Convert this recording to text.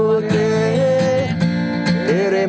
มีคนเดียว